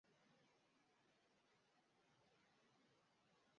E agora o que eu faço?